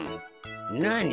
なに？